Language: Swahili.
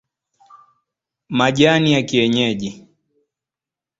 Majina ya Kienyeji